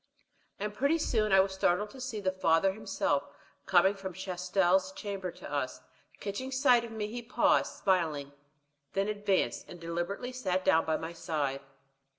And pretty soon I was startled to see the father himself coming from Chastel's chamber to us. Catching sight of me he paused, smiling, then advanced, and deliberately sat down by my side.